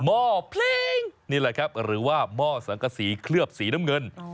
หม้อเพลงนี่แหละครับหรือว่าหม้อสังกษีเคลือบสีน้ำเงิน